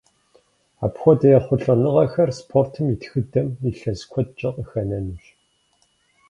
Апхуэдэ ехъулӏэныгъэхэр спортым и тхыдэм илъэс куэдкӏэ къыхэнэнущ.